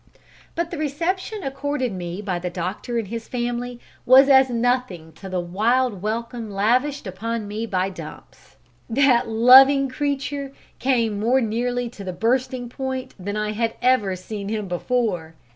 But the reception accorded me by the doctor and his family was as nothing to the wild welcome lavished upon me by Dumps. That loving creature came more nearly to the bursting point than I had ever seen him before.